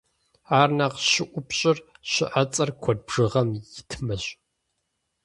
Ар нэхъ щыӏупщӏыр щыӏэцӏэр куэд бжыгъэм итмэщ.